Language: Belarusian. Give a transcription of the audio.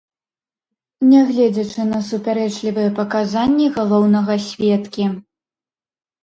Нягледзячы на супярэчлівыя паказанні галоўнага сведкі.